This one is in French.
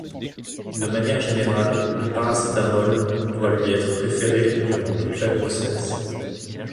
De manière générale le paracétamol doit lui être préféré durant toute la grossesse.